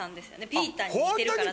ピーターに似てるからって。